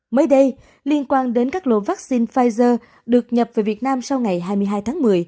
mới đây liên quan đến các lô vaccine pfizer được nhập về việt nam sau ngày hai mươi hai tháng một mươi